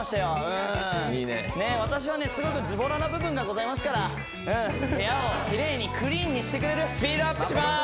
すごくずぼらな部分がございますから部屋をキレイにクリーンにしてくれるスピードアップします